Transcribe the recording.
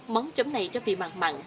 món chấm này cho vị mặn mặn